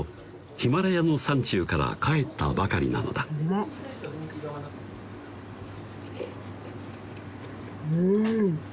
ヒマラヤの山中から帰ったばかりなのだうん